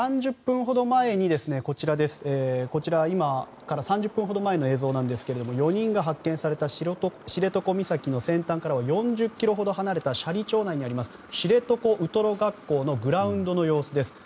そして今から３０分ほど前の映像なんですが４人が発見された知床岬の先端からは４０ｋｍ離れた斜里町内にある知床ウトロ学校のグラウンドの様子です。